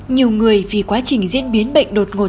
nhiều người vì quá trình diễn biến bệnh đột ngột